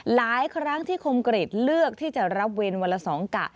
หลายครั้งที่คมกริจเลือกที่จะรับเวรวันละสองกะ